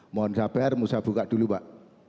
mohon sabar musabuka dulu pak